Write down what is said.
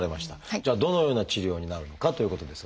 じゃあどのような治療になるのかということですが。